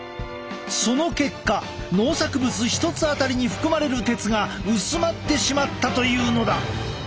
その結果農作物１つあたりに含まれる鉄が薄まってしまったというのだ。